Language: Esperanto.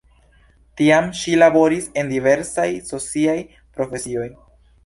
Tiam ŝi laboris en diversaj sociaj profesioj.